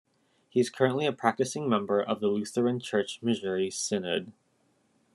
He is currently a practicing member of the Lutheran Church-Missouri Synod.